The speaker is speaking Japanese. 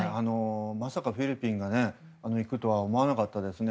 まさかフィリピンが行くとは思わなかったですね。